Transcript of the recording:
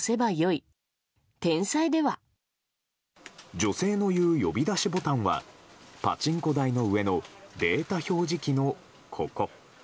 女性のいう呼び出しボタンはパチンコ台の上のデータ表示器の、ここ。